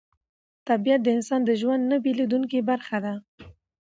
طبیعت د انسان د ژوند نه بېلېدونکې برخه ده